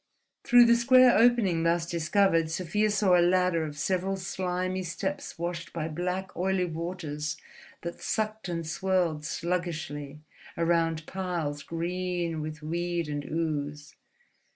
Through the square opening thus discovered Sofia saw a ladder of several slimy steps washed by black, oily waters that sucked and swirled sluggishly round spiles green with weed and ooze.